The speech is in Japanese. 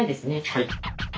はい。